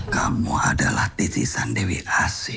kamu adalah titi sandewi ac